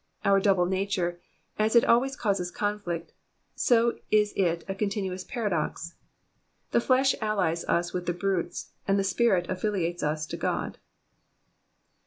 Our double nature, as it always causi^ conflict, so is it a continuous paradox : the flesh allies us with the brutes, and the spirit affiliates us to God.